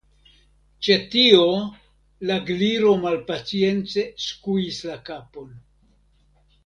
Ĉe tio, la Gliro malpacience skuis la kapon.